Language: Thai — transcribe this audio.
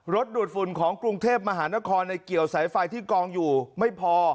ดูดฝุ่นของกรุงเทพมหานครในเกี่ยวสายไฟที่กองอยู่ไม่พอ